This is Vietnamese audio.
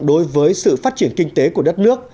đối với sự phát triển kinh tế của đất nước